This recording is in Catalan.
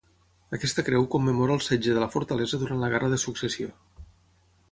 Aquesta creu commemora el setge de la fortalesa durant la Guerra de Successió.